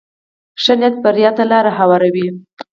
ښه نیت بریا ته لاره هواروي.